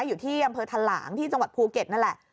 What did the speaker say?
อยู่ที่อำเภอทะหลางที่จังหวัดภูเก็ตนั่นแหละ